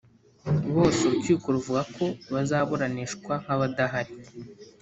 bose urukiko ruvuga ko bazaburanishwa nk’abadahari